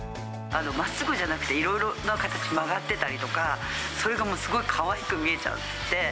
まっすぐじゃなくて、いろいろな形、曲がってたりとか、それがもうかわいく見えちゃって。